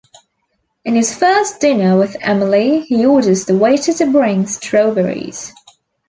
In his first dinner with Emily, he orders the waiter to bring strawberries.